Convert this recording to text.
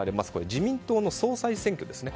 自民党の総裁選挙ですね。